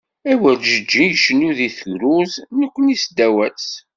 Awerǧeǧǧi icennu deg tegrurt, nekni seddaw-as.